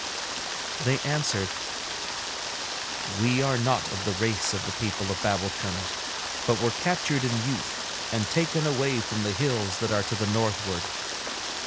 They answered: 'We are not of the race of the people of Babbulkund, but were captured in youth and taken away from the hills that are to the northward.